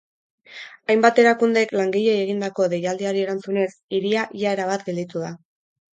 Hainbat erakundek langileei egindako deialdiari erantzunez, hiria ia erabat gelditu da.